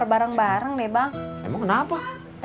rekening baru cabut